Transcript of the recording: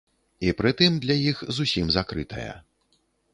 І пры тым для іх зусім закрытая.